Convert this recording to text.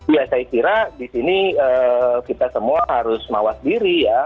ya saya kira di sini kita semua harus mawas diri ya